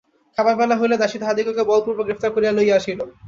খাবার বেলা হইলে দাসী তাহাদিগকে বলপূর্বক গ্রেফতার করিয়া লইয়া আসিল।